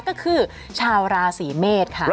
ก็คือชาวราศีเมษค่ะ